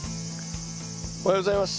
おはようございます。